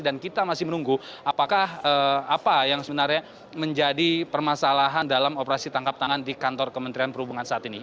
dan kita masih menunggu apakah apa yang sebenarnya menjadi permasalahan dalam operasi tangkap tangan di kantor kementerian perhubungan saat ini